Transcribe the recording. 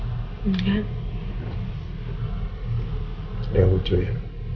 sekarang kita bisa berbicara